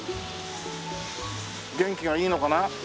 元気がいいのかな？